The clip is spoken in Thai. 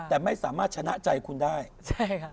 ถือว่าชนะใจคุณได้ใช่ค่ะ